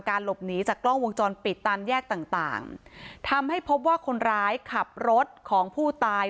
หลบหนีจากกล้องวงจรปิดตามแยกต่างต่างทำให้พบว่าคนร้ายขับรถของผู้ตาย